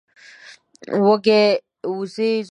وزې زموږ ټوله باغچه یوازې په پنځو دقیقو کې وڅښله.